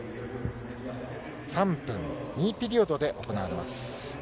３分、２ピリオドで行われます。